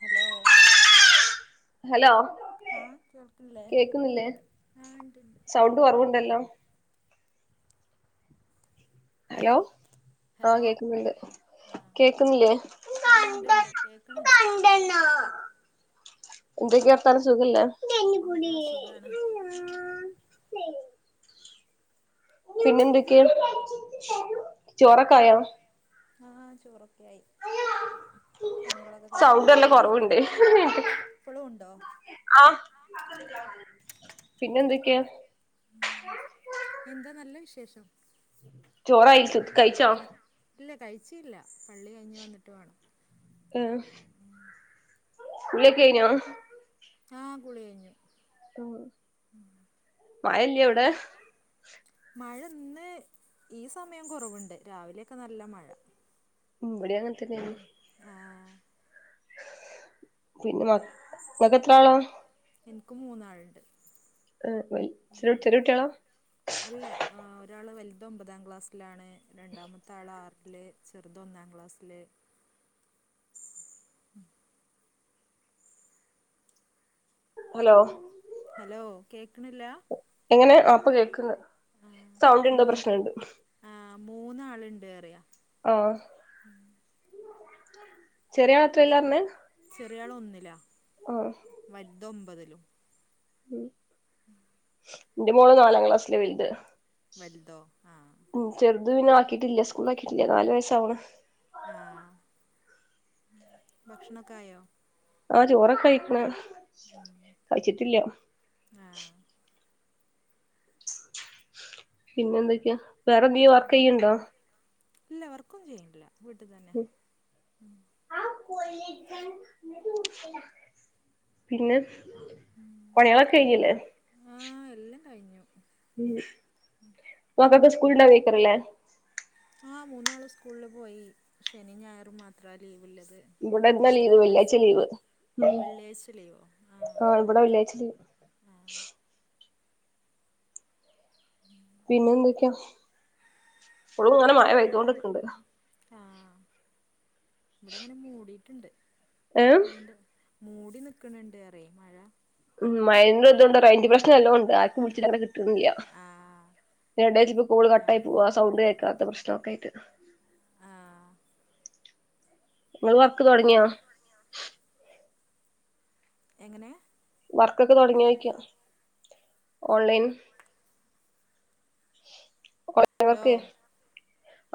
Hello hello ആഹ് കേൾക്ക് ഇല്ലെ? കേക്കുന്നില്ലേ ആഹ് ഇണ്ട് സൗണ്ട് കുറവുണ്ടല്ലോ ഇപ്പഴോ? ആഹ ഹലോ കേക്കുന്ന്ണ്ട് ആഹ് കേക്കുന്നില്ലേ ആഹ് ഇണ്ട്ണ്ട് കേക്ക്ണ്ണ്ട് എന്തൊക്കെ വർത്താനം സുഖ അല്ലെ? എന്താ സുഖാണ് പിന്നെ എന്തൊക്കെ ചോറ് ഒക്കെ ആയോ? ആഹ് ചോറൊക്കെയായി സൗണ്ട് നല്ല കൊറവ് ഇണ്ട് ഇപ്പളും ഉണ്ടോ ആഹ് പിന്നെന്തൊക്കെ എന്താ നല്ല വിശേഷം ചോറയിൽക്ക് ഇല്ല കഴിച്ചില്ല. പള്ളി കഴിഞ്ഞ് വന്നിട്ട് വേണം ഏ ഹ് കുള്യൊക്കെ കഴിഞ്ഞോ ആഹ് കുളി കഴിഞ്ഞു. ഉം മയല്ല്യ ഔടെ മഴ ന്ന് ഈ സമയം കൊറവുണ്ട്. രാവിലൊക്കെ നല്ല മഴ ഉം ഇബെടിം അങ്ങനെ തന്നെയാണ് ഉം.. ആഹ് പിന്നെ മക് ങ്ങക്കെത്രാളാ? ഇൻക്ക് മൂന്നാൾ ഇണ്ട് ആഹ് വഴി ചെറെ ചെറെ കുട്ടിയാളാ? അല്ല ഏഹ് ഒരാൾ വെൽത് ഒമ്പതാം ക്ലാസ്സിലാണ് രണ്ടാമ്മെത്തെ ആൾ ആർൽ ചെറുതൊന്നാം ക്ലാസ്സ് ല് ഹലോ ഹലോ കേക്ക്ണില്ല എങ്ങനെ ആപ്പ കേൾക്കന്ന് ആ മൂന്ന് ആ മൂന്നാളുണ്ട്റിയ ഓഹ്ഹ ചെറിയ പാത്രല്ലർന്ന് ചെറിയാള് ഒന്നില ആഹ് വൽതൊമ്പതിലും ഉം.. ഉം ന്റെ മോള് നാലാം ക്ലാസില വെൽത് വലുതോ ആഹ് ഉം ചെർത് പിന്നെ ആക്കിയിട്ടില്ല. സ്കൂളാക്കിട്ടില്ല. നാല് വയസ്സാവണ് ആഹ് ഭക്ഷണൊക്കായോ? ആഹ് ചോറൊക്കെ അയ്ക്ക്ണ്. കയ്ച്ചിട്ടില്ല ആഹ് പിന്നെ എന്തൊക്കെയാ. വേറെ എന്തങ്ക്യും വർക്ക് ചെയ്യണ്ടോ ഇല്ല വർക്ക് ഒന്നും ചെയ്യ്ണ് ഇല്ല വീട്ട് തെന്നെ [inaudible] പിന്നെ പണികളൊക്കെ കഴിഞ്ഞില്ലേ ആഹ് എല്ലം കയ്ഞ്ഞു ഉം മക്കക്ക്‌ സ്കൂൾണ്ടാവെക്കാരം ല്ലേ ആ മൂന്നാളും സ്കൂളിൽ പോയി ശനീം ഞായറും മാത്രാ ലീവ് ല്ലത് ഇവിടെ അല്ലാത്ത ഇന്നാ ലീവ് ദിസവൊക്കെ വെള്ളിയാഴ്ച ക്ലാസാ ലീവ് വെള്ളിയാഴ്ച ലീവോ ആ ഇവടെ വെള്ളിയാഴ്ച ലീ ആ പിന്നെന്തൊക്കെയാ ഫുള്ളും ഇങ്ങനെ മഴ പെയ്തോണ്ട്ക്കണിണ്ട്. ഇബടെ ങ്ങനെ മൂടിട്ടുണ്ട് ഏഹ് പള്ളിന്റെ ഏ മൂടി നിക്കണണ്ട്റൈ മഴ ഉം മയെന്റെതൂണ്ട് റെയ്ഞ്ച് പ്രശ്നം നല്ലോംണ്ട് ആര്ക്കും വിൾച്ചിട്ടങ്ങട്ട് കിട്ട്ണില്ല്യാ ആ എടേച്ചിപ്പോ കോള് ഞാ കട്ടായി പോവാ സൗണ്ട് കേൾക്കാത്തെ പ്രശ്നക്കെ ആയിട്ട് ആഹ് ഇങ്ങള് വർക്ക് തൊടങ്ങിയോ? എങ്ങനെ വർക്കൊക്കെ തുടങ്ങിയോയ്ക്കാ ഓൺലൈൻ ഓൺലൈ ഹലോ വർക്ക്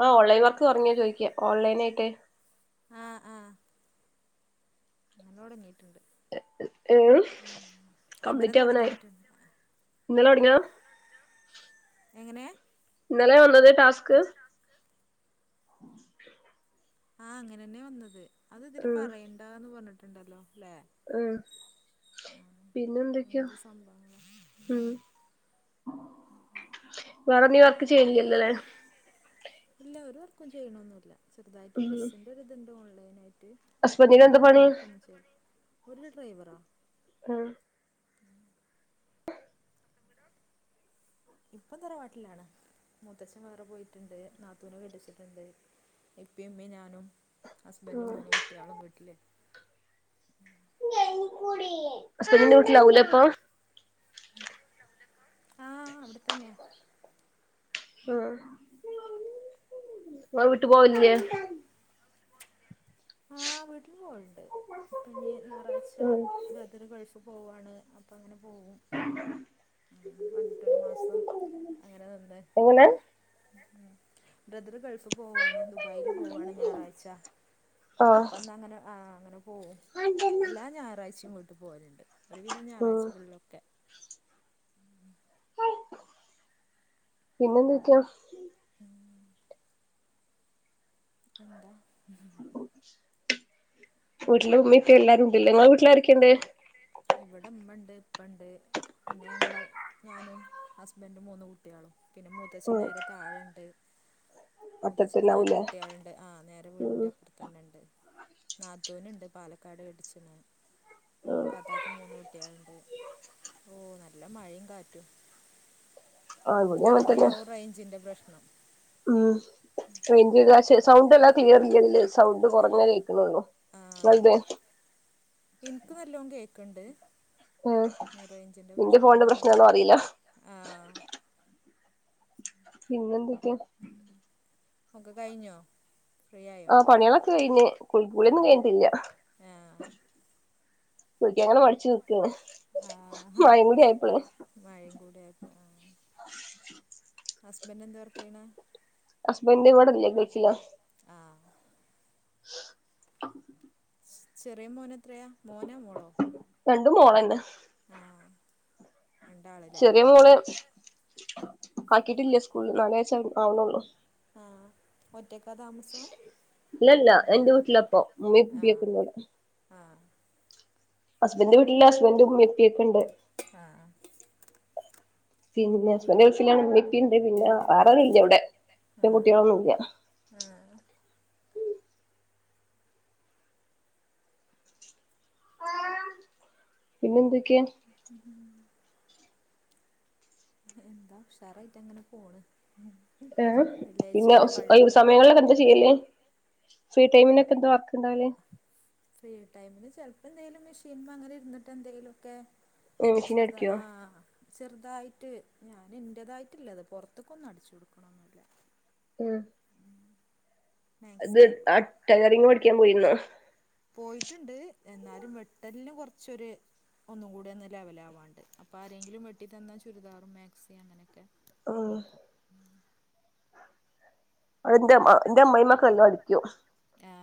ആ ഓൺലൈൻ വർക്ക് തുങ്ങിയോ ചോയ്ക്ക ഓൺലൈൻ ആയിട്ട് ആഹ് ആഹ് ന്നല്ലോടങ്ങീട്ടുണ്ട് ഏ അങ്ങനെ കംപ്ലീറ്റ് ആവനായി തുടങ്ങിയിട്ടുണ്ട് ഇന്നലെ തൊടങ്യാ എങ്ങനെ ഇന്നലെ വന്നത് ടാസ്ക് [inaudible] ആഹ് അങ്ങനെന്നെ വന്നത് അത് ഇതില് ഉം പറയണ്ടന്ന് പറഞ്ഞിട്ടുണ്ടല്ലോ ല്ലേ ഉം ആഹ് പിന്നെ എന്തൊക്കെയാ അങ്ങനത്തെ സംഭവങ്ങള് [inaudible] ഉം വേറെ നീ വർക്ക് ചെയ്യ്ണില്ലോ ല്ലേ ഇല്ല ഒരു വർക്കും ചെയ്യണൊന്നൂല്ല ചെറ്തായിട്ട് ഡ്രസ്സിന്റെറെ ഒരിതുണ്ട് ഓൺലൈൻ ആയിട്ട് ഹസ്ബന്റിന് എന്താ പണി? [unintelligible] ഒരുല ഡ്രൈവറാ ആഹ് ഇപ്പോം തറവാട്ടിലാണ് മൂത്തച്ഛൻ വേറെ പോയിട്ടുണ്ട് നാത്തൂനെ കെട്ടിച്ചിട്ടുണ്ട്. ഇപ്പീം മ്മീംഞാനും ഉം ഹസ്ബൻറും മൂന്നു കുട്ട്യാളും വീട്ടില് ഹസ്ബന്റിന്റെ വീട്ടിലാവും ല്ലേ പ്പൊ ആഹ് ആഹ് അവിടെ തന്ന്യ ആഹ് [unintelligible] ആഹ് വീട്ടിൽ പോവലിണ്ട് ഇപ്പൊ ഞ്ഞി ഞായറാഴ്ച ഉം ബ്രദറ് ഗൾഫ് ക്ക്‌ പോവാണ് അപ്പോ അങ്ങനെ പോകും. ഉം വന്നിട്ടൊരു മാസം അങ്ങന നിന്നെ എങ്ങനെ ബ്രദറ് ഗൾഫ് പോവാണ് ദുബായിൽ പോവാണ് ഞായറാഴ്ച ആ അപ്പന്നാ അങ്ങനെ ആ അങ്ങനെ പോവും എല്ലാ ഞായറാഴ്ചയും വീട്ടി പോവലുണ്ട് ഒരുവിധം ഉം ഞായറാഴ്ചകളിലൊക്കെ പിന്നെന്തൊക്കയാ എന്താ? വീട്ടില് മ്മീം പ്പീം എല്ലാരും ഇണ്ട് ല്ലേ ഇങ്ങളെ വീട്ടിലാരൊക്കെണ്ട് ഇവിടെ ഇമ്മണ്ട് ഇപ്പണ്ട് പിന്നെ ഞങ്ങള് ഞാനും ഹസ്ബൻഡും മൂന്ന് കുട്ട്യാളും പിന്നെ മൂ മൂത്തച്ഛൻ ഉം നേരെ താഴണ്ട് മൂത്തച്ഛന് നാല് ഒറ്റത്തന്നാവൂലേ കുട്ട്യാളുണ്ട് ആഹ് നേരെ ഉം വീടിന്റെ അപ്പുറത്ത് തന്നെണ്ട് നാത്തൂനിണ്ട് പാലക്കാട് കെട്ടിച്ചിക്ക്‌ണെ ആ താത്താക്കും മൂന്ന് കുട്ട്യാളുണ്ട് ഓ നല്ല മഴയും കാറ്റും ആ ഇവിടേം അങ്ങനെ തന്നെ അതന്നെയാവും റേഞ്ചിന്റെ പ്രശ്നം. ഉം സൗണ്ട് എല്ലാം ക്ലിയർ ഇല്ലല്ല് സൗണ്ട് കുറഞ്ഞെ കേൾക്കണൊള്ളൂ വൽത് എനിക്ക് നല്ലോണം കേൾക്കണ്ട്, ഉം റേഞ്ചിന്റെ നിന്റെ ഫോണിന്റെ പ്രശ്‌നാണോന് പ്രശ്നാണോ അറിയൂല്ല. അറിയില്ല ആഹ് പിന്നെന്തൊക്കെയാ? ഒക്കെ കഴിഞ്ഞോ? ഫ്രീ ആയോ ആഹ് പണികളൊക്കെ കഴിഞ്ഞ് ആ കുളികുളിയൊന്നും കഴിഞ്ഞിട്ടില്ല. ആ കുളിക്കാൻ അങ്ങനെ മടിച്ചു നിൽക്കാണ് ആ മഴയും കൂടി ആയപ്പോളെ മഴയും കൂടെ ആയപ്പോ ആ ഹസ്ബൻഡ് എന്താ വർക്ക് ചെയ്യണേ? ഹസ്‌ബൻ്റ് ഇവിടില്ല ഗൾഫില. ആഹ് [inaudible] ചെറിയ മോൻ എത്രയാ മോനാ മോളോ? രണ്ടും മോൾ തന്നെയാ. ചെറിയ മോളെ ആക്കിയിട്ടില്ല സ്കൂളിൽ, നാല് വയസ്സ് ആവണേള്ളൂ. ആഹ് ഒറ്റയ്ക്കാ താമസം? ഇല്ല ഇല്ല എന്റെ വീട്ടിലാ ഇപ്പോ [inaudible] ആഹ് ഹസ്ബൻഡെ വീട്ടിലാ ഹസ്ബൻഡും എത്തിയിട്ടുണ്ട്. ആഹ് ആഹ് പിന്നെ ഹസ്ബന്റ് ഗൾഫിലാണ് ഉമ്മിപ്പിംണ്ട് പിന്നെ വേറാരുല്ല്യാവ്ടെ [unintelligible] കുട്ടികളൊന്നും ല്ല്യ ആഹ് പിന്നെന്തൊക്കെയ? [inaudible] എന്താ ഉഷാറായിട്ട് അങ്ങനെ പോണ്. ആഹ് പിന്നെ വെള്ളിയാഴ്ചയല്ലേ പള്ളി സമയങ്ങളിലൊക്കെ എന്താ ചെയ്യല്ലേ ഫ്രീ ടൈമിനൊക്കെ എന്താ വർക്ക് ഉണ്ടാവില്ലേ? ഫ്രീ ടൈമിൽ ചിലപ്പോ എന്തെങ്കിലും മെഷീൻ അങ്ങനെ ഇരുന്നിട്ട് എന്തെലുമൊക്കെ. മെഷീൻ ചെറുതാ അടിക്കോ ആഹ് ചെറുതായിട്ട്, ഞാൻ എൻ്റെതായിട്ടില്ലത് പുറത്തേക്കൊന്നും അടിച്ചു കൊടുക്കണൊന്നുമില്ല. [inaudible] ഇത് മാക്സി ആഹ് ട്ടയറിങ് പഠിക്കാൻ പോയിരുന്നോ പോയിട്ടുണ്ട്, എന്നാലും വെട്ടലിൽ കുറച്ചൊരു ഒന്നും കൂടി ഒന്ന് ലെവലാവാന്നുണ്ട്, അപ്പൊ ആരെങ്കിലും വെട്ടി തന്ന ചുരിദാറും മാക്സി അങ്ങനെയൊക്കെ ആഹ് നോക്കൂ എന്റെ അമ്മ എന്റെ അമ്മമായിമ്മ ക്കെല്ലാം അടിക്കും. ആ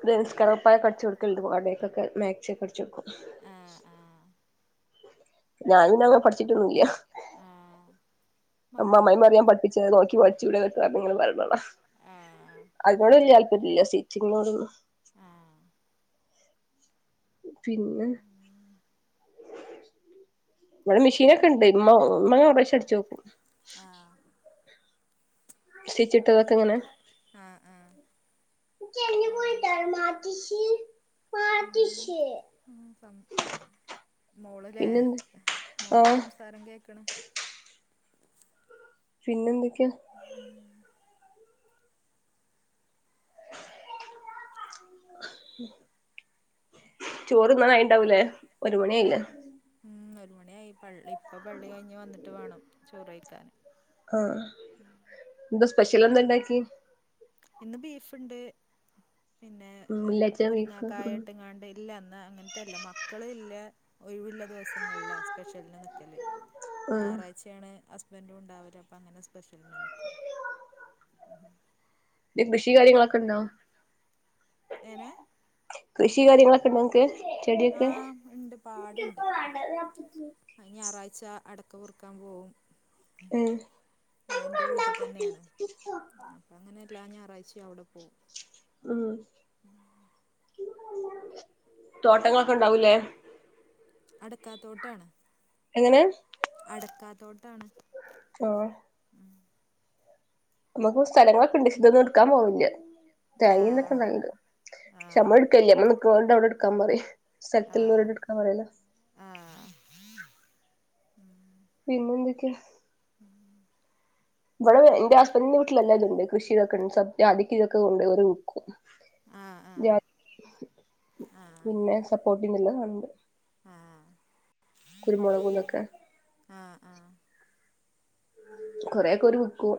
[inaudible] കടിച്ചു കൊടുക്കലുണ്ട് വാടകയ്ക്കൊക്കെ മാക്സിയൊക്കെ അടിച്ചുകൊടുക്കും. ആ ആ ഞാനൊന്നുങ്ങ പഠിച്ചിട്ട് ഒന്നുമില്ല ആഹ് അമ്മാമ്മയിമ്മ പറയും ഞാൻ പഠിപ്പിച്ചത് നോക്കി പഠിച്ചൂടെ ന്നൊക്കെ പറഞ്ഞ്ങ്ങനെ പറയണ കാണാ ആ അതിനോട് വല്യ താല്പര്യം ഇല്ല സ്റ്റിച്ചിങ്ങിനോടൊന്നും. ആ പിന്നെ? ഇവിടെ മെഷീനൊക്കെ ഉണ്ട് ഉമ്മ ഉമ്മയാ [unintelligible] അടിച്ച് നോക്കും ആഹ് സ്റ്റിച്ചിട്ടതൊക്കെ എങ്ങനെ? ആ ആ മ്ഹ് മ്ഹ് സം മോളല്ലേ? പിന്നെന്ത് മോളേ ആഹ് സംസാരം കേൾക്കണ്. പിന്നെന്തൊക്കെയാ? [inaudible] ചോറ് തിന്നായിണ്ടാവൂലേ ഒരു മണി ആയില്ലേ. ഉം ഒരു മണിയായി പള്ളി ഇപ്പ പള്ളി കഴിഞ്ഞ് വന്നിട്ട് വേണം ചോറഴിക്കാൻ. ആഹ് എന്ത സ്പെഷ്യൽ എന്തണ്ടാക്കി. ഇന്ന് ബീഫുണ്ട് പിന്നെ വെള്ളിയാഴ്ച ബീഫ് ഉം മുരിങ്ങാക്കായട്ട് ങ്ങാണ്ടെ ഇല്ല ന്ന് അങ്ങൻത്തെല്ല മക്കള് ഇല്ല ഒഴിവിള്ള ദിവസങ്ങളില സ്പെഷ്യല്ന് നിക്കല്. ആഹ് ഞായറാഴ്ചയാണ് ഹസ്ബൻറും ഉണ്ടാവല് അപ്പ അങ്ങനെ സ്പെഷ്യല്ന് നിക്കും. അഹ് ബിഷി കാര്യങ്ങളൊക്കെണ്ടോ ഏനെ കൃഷി കാര്യങ്ങളൊക്കെ ഉണ്ട ങ്‌ക്ക്? ചെടിയൊക്കെ ഇണ്ട് പാടണ്ട് അയിന് ഞായറാഴ്ച അടക്ക പെറുക്കാൻ പോകും. ഉം അഹ് ൻ്റെ വീട്ടിതന്നെയാണ്. പ്പങ്ങനെല്ലാ ഞായറഴ്ച്ചെ അവിടെ പോവും. ഉം. തോട്ടങ്ങളൊക്കെ ഇണ്ടാവൂലേ? അടക്കാത്തോട്ടാണ്. എങ്ങനെ? അടക്കാത്തോട്ടാണ്. ആഹ്. നമുക്ക് സ്ഥലങ്ങളൊക്കെണ്ട് ക്ഷേ ഒന്നു എടുക്കാൻ പോകൂല്ല. ആ തേങ്ങിൻതൊക്കെ നല്ലണ്ട് ആ പക്ഷെ നമ്മളട്ക്കേല്യ നമ്മ നിക്ക്നോണ്ട് അവിടെ എടുക്കാൻ പറയാ ആ സ്ഥലത്തുള്ളോലോട് ക്ക പറയുന്നേ ആ ആ പിന്നെന്തൊക്കെയാ? ഉം ഇവടെ ന്റെ ഹസ്ബൻഡറിന്റെ വീട്ടിലെല്ലാതുണ്ട് കൃഷി തൊക്കെണ്ട് [unintelligible] ആഹ് ആഹ്. പിന്നെ സപ്പോർട്ട്ന്നുള്ള കണ്ട്. കുരുമുളകു തൊക്കെ. ആഹ് ആഹ്. കൊറേക്കൊരു വിക്കൂ.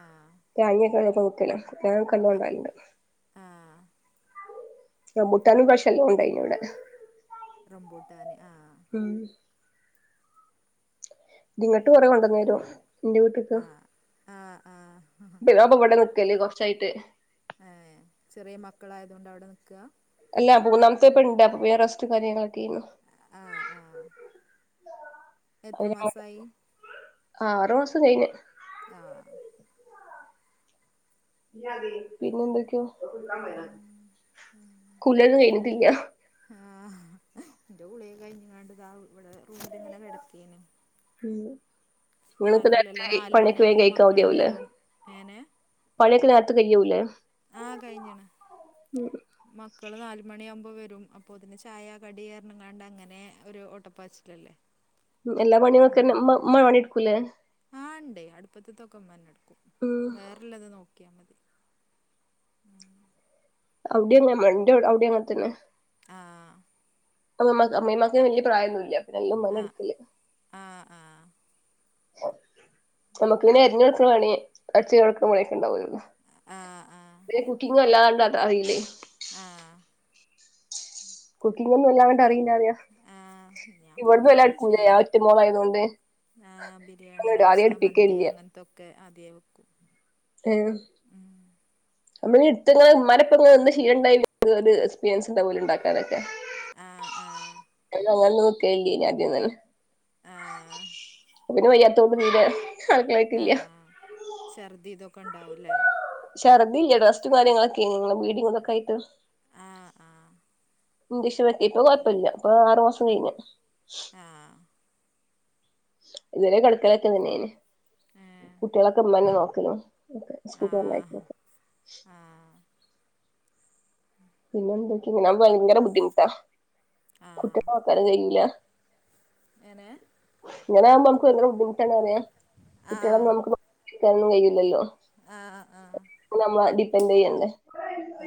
ആഹ്. [unintelligible] ആ റംബൂട്ടാനും ഇപ്പാശ്യല്ലോണ്ടായീന് വടെ. റമ്പൂട്ടാന് ആഹ്. ഉം. ഇങ്ങട്ട് കൊറേ കൊണ്ടന്നേരും ന്റെ വീട്ടിക്ക് ആ ആ ആ ഫിദാൻപ്പവിടെ നിക്കല് കൊർച്ചായിട്ട്. ഏഹ്. ചെറിയ മക്കളായതോണ്ട് അവിടെ നിക്കാ? അല്ല മൂന്നാമത്തെ ഇപ്പൊ ഇണ്ട് അപ്പ പിന്നെ റെസ്റ്റും കാര്യങ്ങളൊക്കേ നു ആഹ് ആഹ്. എത്ര മാസായി? ആറ് മാസം കഴിഞ്ഞ്. ആഹ്. പിന്നെ എന്തൊക്കെയോ കുളിന്നും കഴിഞ്ഞിട്ടില്ല. ആഹ് ന്റെ കുളിയക്കെ കഴിഞ്ഞ് ങാണ്ട് താ ഇവിടെ റൂമിൽ ഇങ്ങനെ കിടക്കേന്. ഉം. ങ്ങളിപ്പനേരത്തെ ആരുല്ലല്ലോ നാല് പണിയൊക്കെ വേഗം മണിയാവുമ്പോ കഴിക്കാ മക്കള് മതിയാവൂലേ. വരും ഏനെ പണിയൊക്കെ നേരത്തെ കയ്യൂലേ? ആഹ് കഴിഞ്ഞ്ണ്. മക്കള് നാല് മണിയാമ്പോവരും അപ്പൊത്തിന് ചായ കടി അർഞ്ങ്ങാണ്ട് അങ്ങനെ ഒരു ഓട്ടപ്പാച്ചിലല്ലേ. എല്ലാ പണികളൊക്കെന്നെ മ്മ മ്മ പണി എടുക്കൂലേ ആഹ് ഇണ്ടേയ് അടുപ്പത്ത്ത്തൊക്കെ ഇമ്മന്നെ എടുക്കും ഉം വേറെള്ളത് നോക്കിയാ മതി അവിടെ എങ്ങ മണ്ടേ അവി അവിടെ അങ്ങനത്തന്നെ. അ്ഹ അമ്മമയ്ക്ക് അമ്മേമായ്ക്ക് വല്യ പ്രായമൊന്നുമില്ല എൻ്റെ ഉമ്മാൻ്റെ ആഹ് അടുക്കല് ആഹ് ആഹ് നമുക്ക് ഇങ്ങനെ അരിഞ്ഞടുക്കേണെ പണി അടിച്ചിവാരി തൊടക്നെ പണി ഒക്കെ ഉണ്ടാവല്ല ആഹ് ആഹ് പിന്നെ കുക്കിങ് അല്ലാണ്ട് അത് അറിയില്ലേ. ആഹ് കുക്കിംഗൊന്നെല്ലാണ്ട് അറിയില്ലറിയാ ആഹ് ഞാൻ ഇവിടന്നു കുക്കിങ്ങൊക്കെ എല്ലാടുക്കുല്ലെ ആ ചെയ്യും ഒറ്റമോളായതൊണ്ട് ആ ബിരിയാണി കപ്സ മന്തി അങ്ങനത്തൊക്കെ ആദ്യേ വെക്കും. ഏഹ് നമ്മള് എടുത്തങ് ഉമ്മാനെ ഇപ്പ ങ്ങ് നിന്ന് ശിലം ഉണ്ടായില്ല ങ്ങ് ഒരു എക്സ്പീരിയൻസ് ഉണ്ടാവ ലോ അതെക്കെ ആ അ ആ അങ്ങന നോകെലെനി ആദ്യം ഒന്നിനും അ്ഹ [unintelligible] ളേക്കില്ല്യ ഛർദ്ദി ഇതൊക്കെ ഉണ്ടാവൂല്ലേ. ഛർദിയില്ല റെസ്‌റ്റും കാര്യങ്ങളൊക്കെ ഇങ്ങനെ ബ്ലീഡിങ്തൊക്കായിട്ട് ആ ആ ഉം ഇജക്ഷൻ ഇപ്പൊ കൊഴപ്പമില്ല ഇപ്പൊ ആറുമാസം കഴിഞ്ഞ്. ആഹ് ഇതുവരെ കെടക്കലാറ്റം തന്നെയ്ന് ഏ കുട്ട്യാളെക്കെ ഉമ്മന്നെ നോക്ക്ന്ന് നിനക്ക് സുഖം ലൈഫ് ഹാ പിന്നെ എന്തൊക്കെ ഞാൻ ഭയങ്കര ബുദ്ധിമുട്ടാ ആ കുട്ട്യാളെ നോക്കാനും കയൂല്ല [unintelligible] ഇങ്ങനൊ ആവുമ്പോ നമുക്ക് ഭയങ്കര ബുദ്ധിമുട്ടാണ് അറിയാം ആ കുട്ടികളൊന്നും നമുക്ക് നോക്കാനൊന്നും കഴയില്ലല്ലോ. ആഹ് ആ ആഹ് നമ്മളെ ഡിപ്പെൻഡെയ്യണ്ടേ അ്ഹ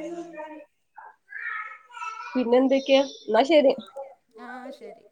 പിന്നെ എന്തൊക്കെയാ ന്നാ ശരി. അ്ഹ ശരി